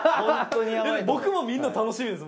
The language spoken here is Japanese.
僕も見るの楽しみです。